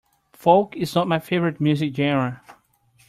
Folk is not my favorite music genre.